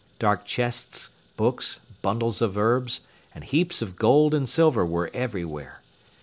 Dark chests, books, bundles of herbs, and heaps of gold and silver were everywhere.